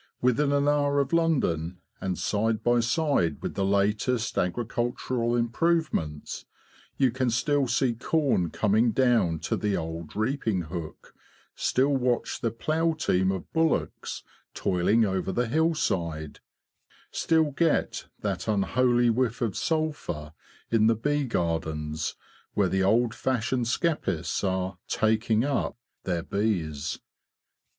Within an hour of London, and side by side with the latest agricultural improvements, you can still see corn coming down to the old reaping hook, still watch the plough team of bullocks toiling over the hillside, still get that unholy whiff of sulphur in the bee gardens where the old fashioned skeppists are '' taking up "' their bees.